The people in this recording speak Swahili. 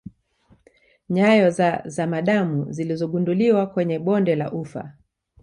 Nyayo za zamadamu zilizogunduliwa kwenye bonde la ufa